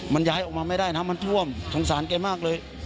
มันย้ายออกมาไม่ได้น้ำมันท่วมสงสารแกมากเลย